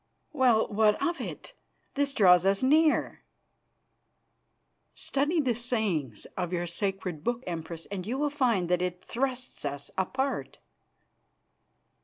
"Well, what of it? This draws us nearer." "Study the sayings of your sacred book, Empress, and you will find that it thrusts us apart."